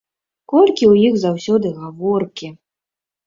Колькі ў іх заўсёды гаворкі!